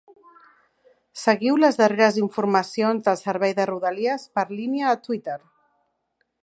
Seguiu les darreres informacions del servei de Rodalies per línia a Twitter.